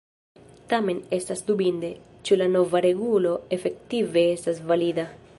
Tamen estas dubinde, ĉu la nova regulo efektive estas valida.